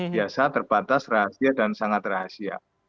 biasa terbatas rahasia dan sangat rahasia